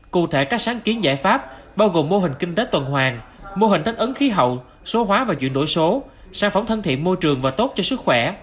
cụ thể các sáng kiến giải pháp bao gồm mô hình kinh tế tuần hoàng mô hình tách ấn khí hậu số hóa và chuyển đổi số sản phẩm thân thiện môi trường và tốt cho sức khỏe